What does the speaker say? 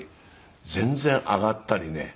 全然上がったりね。